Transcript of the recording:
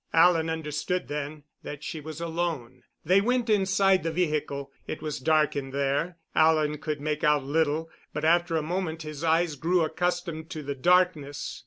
Alan understood then that she was alone. They went inside the vehicle. It was dark in there. Alan could make out little, but after a moment his eyes grew accustomed to the darkness.